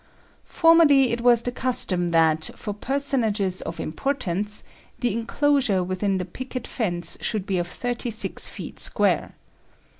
] Formerly it was the custom that, for personages of importance, the enclosure within the picket fence should be of thirty six feet square.